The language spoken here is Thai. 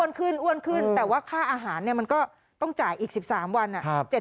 ขึ้นอ้วนขึ้นแต่ว่าค่าอาหารเนี่ยมันก็ต้องจ่ายอีก๑๓วัน